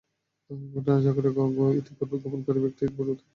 ঘটনাচক্রে ইতিপূর্বে গোপনকারী ব্যক্তিটি পূর্বোক্ত গোপনকারিণী মহিলাকে বিয়ে করেছিল।